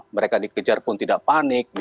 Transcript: mereka dikejar pun tidak panik